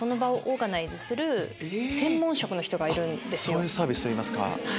そういうサービスといいますか。